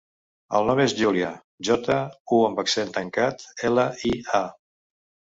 El nom és Júlia: jota, u amb accent tancat, ela, i, a.